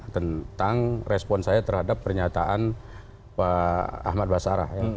tentang respon saya terhadap pernyataan pak ahmad basarah